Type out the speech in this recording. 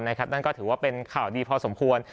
นั่นก็ถือว่าเป็นข่าวดีพอสมควร